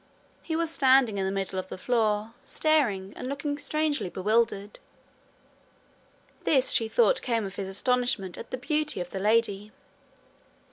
He was standing in the middle of the floor, staring, and looking strangely bewildered. This she thought came of his astonishment at the beauty of the lady.